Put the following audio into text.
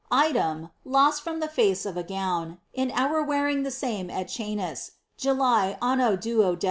'^ Item lost from the face of a gown, in our wearing tlie same at Cheyncs, July anno 12.